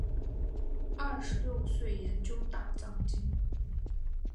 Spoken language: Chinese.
二十六岁研究大藏经。